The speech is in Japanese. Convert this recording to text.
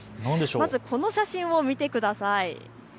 まずこの写真を見てください。